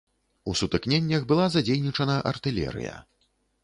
У сутыкненнях была задзейнічана артылерыя.